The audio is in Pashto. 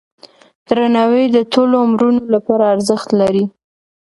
درناوی د ټولو عمرونو لپاره ارزښت لري.